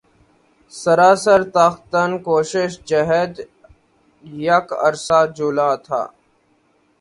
سراسر تاختن کو شش جہت یک عرصہ جولاں تھا